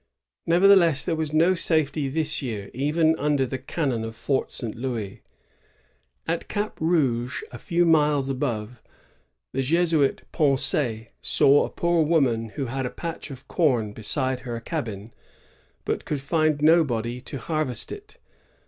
Nevertheless, there was no safety this year, even under the cannon of Fort St. Louis. At Cap Rouge, a few miles above, the Jesuit Poncet saw a poor woman who had a patch of com beside her cabin, but could find nobody to harvest it.